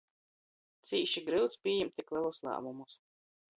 Cīši gryuts pījimt tik lelus lāmumus.